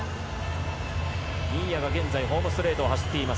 新谷が現在、ホームストレートを走っています。